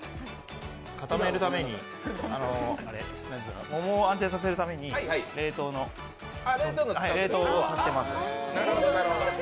固めるために、桃を安定させるために冷凍をしています。